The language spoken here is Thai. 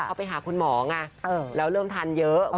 เขาไปหาคุณหมอไงแล้วเริ่มทานเยอะ